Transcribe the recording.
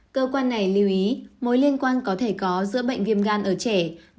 cơ quan này lưu ý mối liên quan có thể có giữa bệnh viêm gan ở trẻ